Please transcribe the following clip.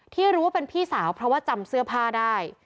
ที่รู้ว่าเป็นพี่สาวเพราะว่าจำเสื้อผ้าได้